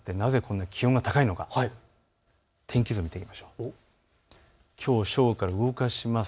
雲が広がってなぜこの気温が高いのか天気図を見ていきましょう。